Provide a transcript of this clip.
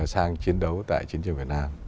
sang chiến đấu tại chiến trường việt nam